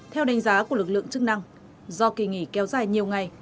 theo đánh giá của lực lượng chức năng do kỳ nghỉ kéo dài nhiều ngày